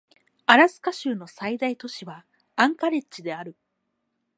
アラスカ州の最大都市はアンカレッジである